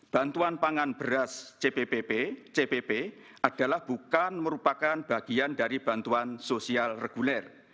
bantuan pangan beras cpp adalah bukan merupakan bagian dari bantuan sosial reguler